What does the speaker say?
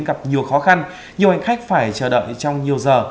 gặp nhiều khó khăn nhiều hành khách phải chờ đợi trong nhiều giờ